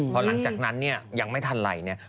พอหลังจากนั้นเนี่ยยังไม่ทันไรเนี่ย